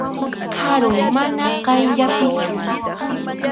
Karum, mana qayllapichu.